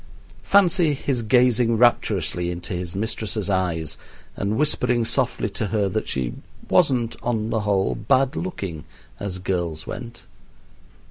Fancy his gazing rapturously into his mistress' eyes and whispering softly to her that she wasn't, on the whole, bad looking, as girls went!